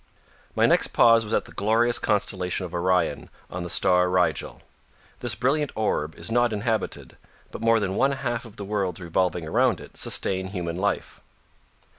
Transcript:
My next pause was at the glorious constellation of Orion on the star Rigel. This brilliant orb is not inhabited, but more than one half of the worlds revolving around it sustain human life.